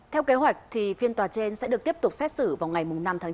theo kế hoạch thì phiên tòa trên sẽ được tiếp tục xét xử vào ngày năm tháng chín